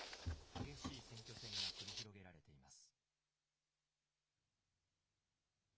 激しい選挙戦が繰り広げられています。